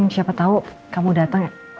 siapa tau kamu dateng